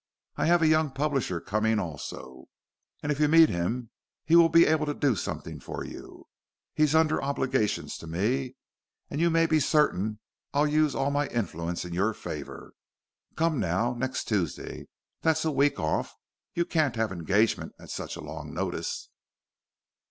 I have a young publisher coming also, and if you meet him he will be able to do something for you. He's under obligations to me, and you may be certain I'll use all my influence in your favor. Come now next Tuesday that's a week off you can't have any engagement at such a long notice."